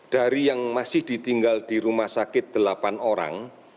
dari yang masih ditinggal di rumah sakit delapan orang